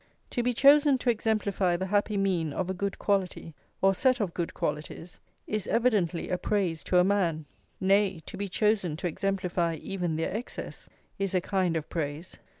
To be chosen to exemplify the happy mean of a good quality, or set of good qualities, is evidently a praise to a man; nay, to be chosen to exemplify even their excess, is a kind of praise.